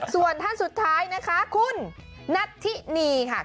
ส่วนท่านสุดท้ายนะคะคุณนัทธินีค่ะ